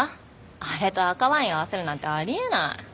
あれと赤ワインを合わせるなんてあり得ない。